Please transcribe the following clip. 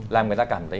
làm người ta cảm thấy